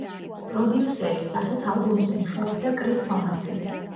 პროდიუსერის სახით ალბომზე მუშაობდა კრის თომასი.